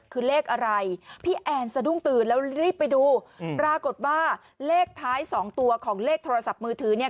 คือเลขอะไรพี่แอนสะดุ้งตื่นแล้วรีบไปดูปรากฏว่าเลขท้ายสองตัวของเลขโทรศัพท์มือถือเนี่ย